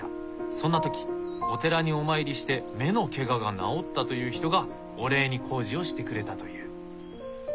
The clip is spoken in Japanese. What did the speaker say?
そんな時お寺にお参りして目のケガが治ったという人がお礼に工事をしてくれたという。